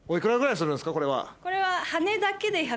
これは。